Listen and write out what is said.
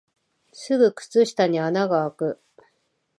すぐ靴下に穴があく